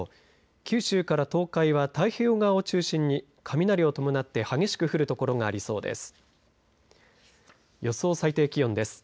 九州から東海は太平洋側を中心に雷を伴って激しく降る所がありそうです。